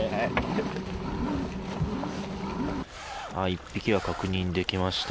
１匹が確認できました。